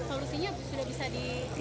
solusinya sudah bisa di